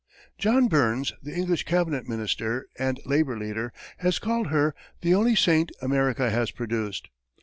John Burns, the English cabinet minister and labor leader, has called her "the only saint America has produced."